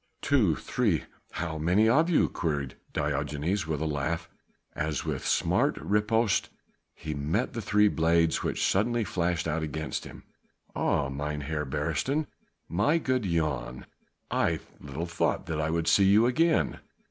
"Two, three, how many of you?" queried Diogenes with a laugh, as with smart riposte he met the three blades which suddenly flashed out against him. "Ah, Mynheer Beresteyn, my good Jan, I little thought that I would see you again."